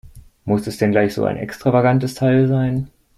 Muss es denn gleich so ein extravagantes Teil sein?